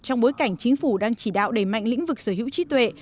trong bối cảnh chính phủ đang chỉ đạo đẩy mạnh lĩnh vực sở hữu trí tuệ